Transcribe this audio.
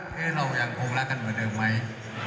เรายังคงรักกันเหมือนเดิมไหม